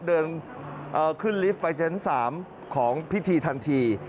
เดินขึ้นลิฟท์ไปเจนสามของพิธีทันที